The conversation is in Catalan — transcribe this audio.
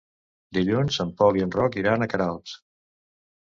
Dilluns en Pol i en Roc iran a Queralbs.